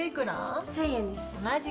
１，０００円です。